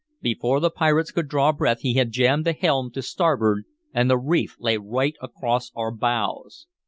Before the pirates could draw breath he had jammed the helm to starboard, and the reef lay right across our bows.